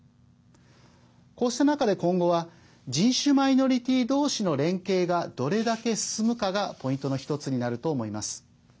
こうした中で今後は人種マイノリティー同士の連携がどれだけ進むかがポイントの１つになると思います。